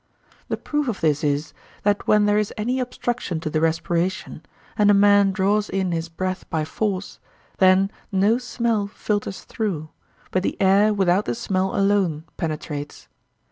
The proof of this is, that when there is any obstruction to the respiration, and a man draws in his breath by force, then no smell filters through, but the air without the smell alone penetrates.